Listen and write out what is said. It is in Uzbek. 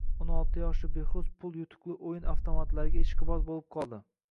O'n olti yoshli Behruz pul yutuqli o‘yin avtomatlariga ishqiboz bo‘lib qoldi.